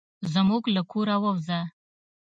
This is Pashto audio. زموږ له کوره ووزه.